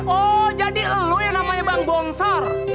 oh jadi oh yang namanya bang bongsar